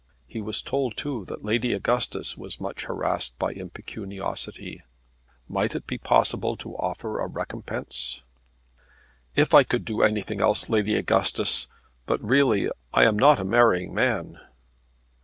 He was told too that Lady Augustus was much harassed by impecuniosity. Might it be possible to offer a recompense? "If I could do anything else, Lady Augustus; but really I am not a marrying man."